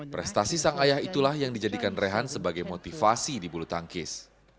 prestasi sang ayah itulah yang dijadikan rehan sebagai motivasi di bulu tangkis